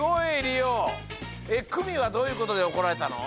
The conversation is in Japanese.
クミはどういうことでおこられたの？